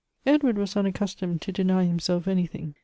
Edward was unaccustomed to deiiy himself anything.